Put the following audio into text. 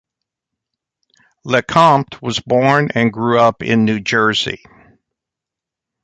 LeCompte was born and grew up in New Jersey.